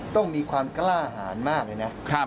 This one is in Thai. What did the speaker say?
ต้องมีความกล้าหารมากเลยนะ